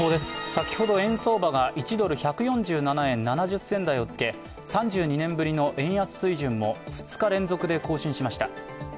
先ほど円相場が１ドル＝１４７円７０銭台をつけ３２年ぶりの円安水準を２日連続で更新しました。